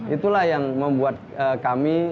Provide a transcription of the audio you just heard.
itulah yang membuat kami